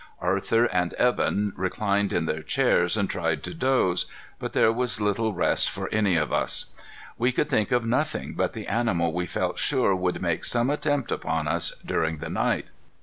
Arthur and Evan reclined in their chairs and tried to doze, but there was little rest for any of us. We could think of nothing but the animal we felt sure would make some attempt upon us during the night.